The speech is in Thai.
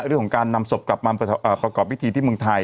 เรื่องของการนำศพกลับมาประกอบพิธีที่เมืองไทย